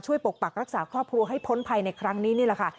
ปกปักรักษาครอบครัวให้พ้นภัยในครั้งนี้นี่แหละค่ะ